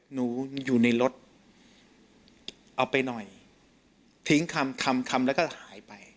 อยู่ในรถเอาไปหน่อยทิ้งคำคำแล้วก็หายไป